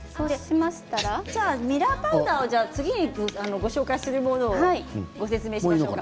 じゃあミラーパウダーを次にご紹介するものをご説明しましょうか。